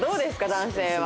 男性は。